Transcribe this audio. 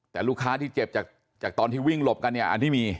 แต่ลูกค้าที่เจ็บจากตอนที่วิ่งหลบกันเนี่ยอันที่มี